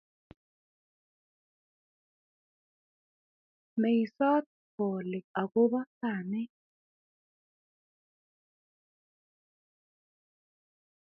meisot bolik akobo tamet